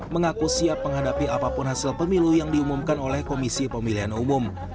mengaku siap menghadapi apapun hasil pemilu yang diumumkan oleh komisi pemilihan umum